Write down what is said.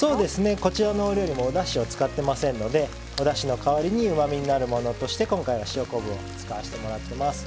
こちらのお料理もおだしを使ってませんのでおだしの代わりにうまみになるものとして今回は塩昆布を使わせてもらってます。